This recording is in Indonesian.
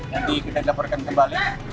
nanti kita laporkan kembali